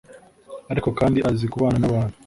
Ariko kandi azi kubana n’abantu